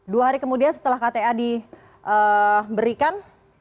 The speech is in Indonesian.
dua hari kemudian setelah kta diberikan